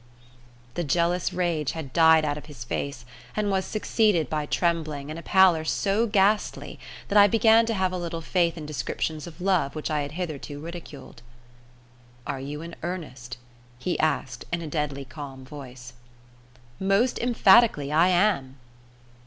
The jealous rage had died out of his face and was succeeded by trembling and a pallor so ghastly, that I began to have a little faith in descriptions of love which I had hitherto ridiculed. "Are you in earnest?" he asked in a deadly calm voice. "Most emphatically I am."